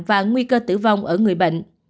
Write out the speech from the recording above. và nguy cơ tử vong ở người bệnh